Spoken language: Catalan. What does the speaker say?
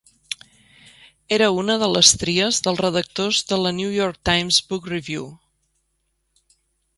Era una de les tries dels redactors de la "New York Times Book Review".